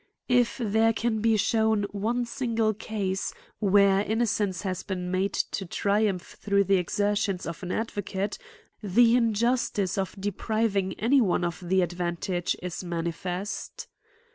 If there can be shewn one single case, where innocence has been made to triumph through the exertions ofan advocate, the injustice of depriving any one of the advantage is manifest.